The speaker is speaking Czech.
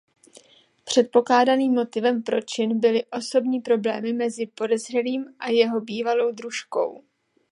Předpokládaným motivem pro čin byly osobní problémy mezi podezřelým a jeho bývalou družkou.